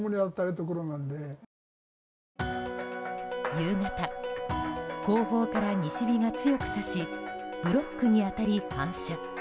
夕方、後方から西日が強く差しブロックに当たり反射。